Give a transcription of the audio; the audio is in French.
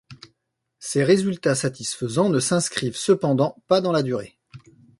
Ces résultats satisfaisants ne s'inscrivent cependant pas dans la durée.